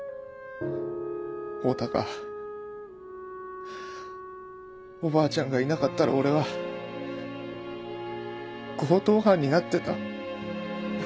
オタがおばあちゃんがいなかったら俺は強盗犯になってた。